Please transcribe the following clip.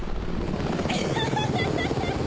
アハハハ！